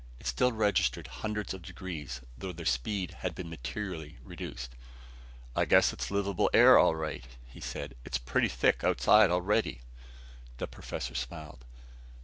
It still registered hundreds of degrees, though their speed had been materially reduced. "I guess there's livable air, all right," he said. "It's pretty thick outside already." The professor smiled.